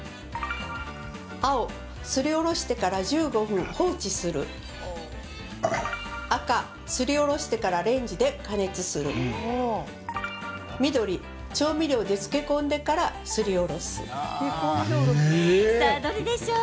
青・すりおろしてから１５分、放置する赤・すりおろしてからレンジで加熱する緑・調味料で漬け込んでからすりおろすさあ、どれでしょう？